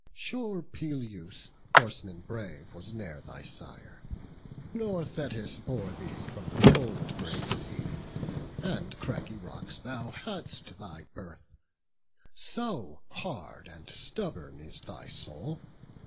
Sure Peleus, horseman brave, was ne'er thy sire, Nor Thetis bore thee; from the cold grey sea And craggy rocks thou hadst thy birth; so hard And stubborn is thy soul.